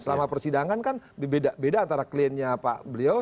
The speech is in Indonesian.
selama persidangan kan beda antara kliennya pak beliau